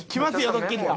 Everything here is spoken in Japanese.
ドッキリが。